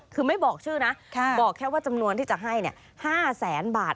คือไม่บอกชื่อนะบอกแค่ว่าจำนวนที่จะให้๕แสนบาท